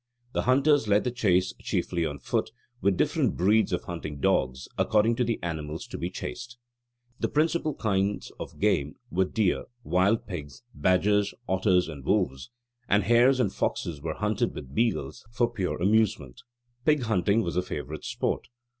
The hunters led the chase chiefly on foot, with different breeds of hunting dogs, according to the animals to be chased. The principal kinds of game were deer, wild pigs, badgers, otters, and wolves; and hares and foxes were hunted with beagles for pure amusement. Pig hunting was a favourite sport.